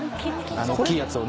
おっきいやつをね。